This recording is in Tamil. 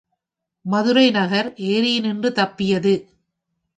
மதுரை நகர் எரியினின்று தப்பியது.